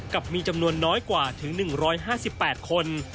กับมีจำนวนน้อยกว่าถึง๑๕๘คน